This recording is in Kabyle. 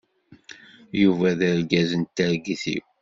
Yuba d argaz n targit-iw.